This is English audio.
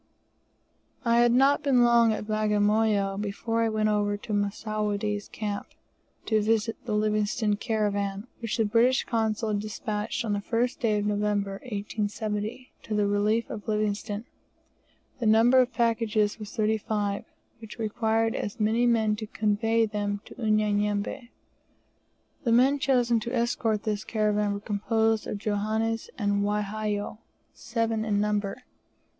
I had not been long at Bagamoyo before I went over to Mussoudi's camp, to visit the "Livingstone caravan" which the British Consul had despatched on the first day of November, 1870, to the relief of Livingstone. The number of packages was thirty five, which required as many men to convey them to Unyanyembe. The men chosen to escort this caravan were composed of Johannese and Wahiyow, seven in number.